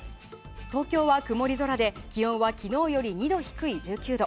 東京は曇り空で気温は昨日より２度低い１９度。